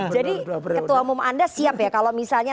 jadi ketua umum anda siap ya kalau misalnya